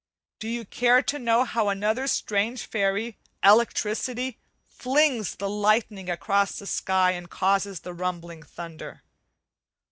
Do you care to know how another strange fairy, 'Electricity,' flings the lightning across the sky and causes the rumbling thunder?